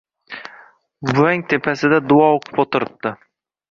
Buvang tepasida duo o‘qib o‘tiribdi.